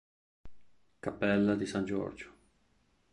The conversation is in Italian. Cappella di San Giorgio